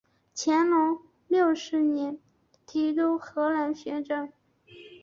乾隆六十年提督河南学政。